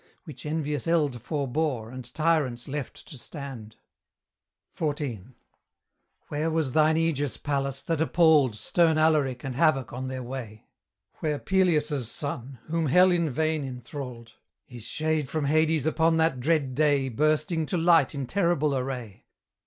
Which envious eld forbore, and tyrants left to stand. XIV. Where was thine aegis, Pallas, that appalled Stern Alaric and Havoc on their way? Where Peleus' son? whom Hell in vain enthralled, His shade from Hades upon that dread day Bursting to light in terrible array!